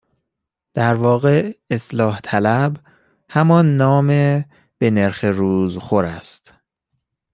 در واقع اصلاح طلب همان نام به نرخ روز خور است